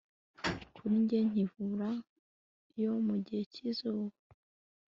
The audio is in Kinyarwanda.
Kuri njye nkimvura yo mu gihe cyizuba